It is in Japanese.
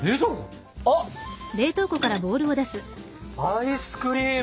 あっアイスクリーム！